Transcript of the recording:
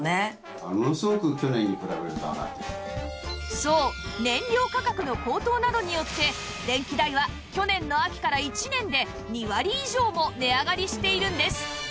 そう燃料価格の高騰などによって電気代は去年の秋から１年で２割以上も値上がりしているんです